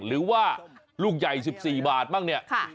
หรือว่าลูกใหญ่๑๔บาทบ้างเนี่ย